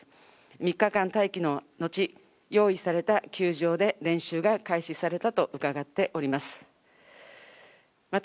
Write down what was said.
３日間待機の後、用意された球場で練習が開始されたと伺っております。